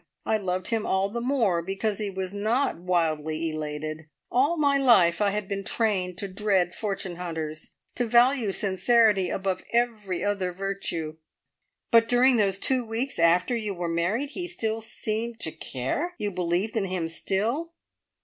I loved him all the more because he was not wildly elated. All my life I had been trained to dread fortune hunters, to value sincerity above every other virtue." "But during those two weeks after you were married, he still seemed to care? You believed in him still?"